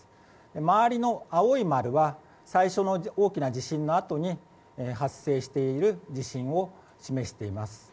周りの青い丸は最初の大きな地震のあとに発生している地震を示しています。